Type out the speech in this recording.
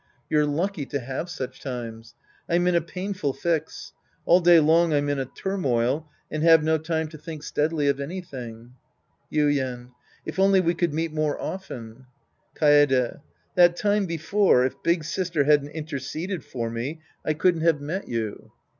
You're lucky to have such times. I'm in a painful fix. All day long I'm in a turmoil and have no time to think steadily of anything. Yuien. If only we could meet more often ! Kaede. That time before, if " big,3istet" hadn't interceded for me, I couldn't have met you.